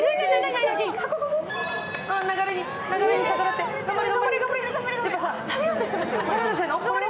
流れに逆らって、頑張れ、頑張れ！